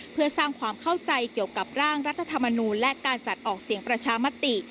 เพื่อสร้างความเข้าใจเกี่ยวกับร่างรัฐธรรมนูลและการจัดออกเสียงประชามติ